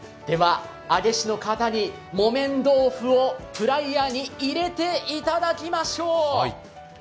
では揚げ師の方に木綿豆腐をフライヤーに入れていただきましょう。